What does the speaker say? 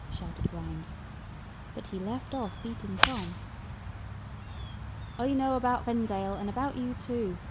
shouted Grimes; but he left off beating Tom. "I know about Vendale, and about you, too.